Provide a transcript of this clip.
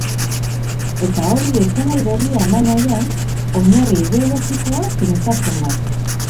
Eta horri esanahi berria eman nahian, oinarri ideologikoa finkatzen da.